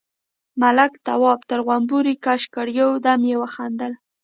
ملک، تواب تر غومبري کش کړ، يو دم يې وخندل: